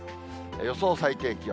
予想最低気温。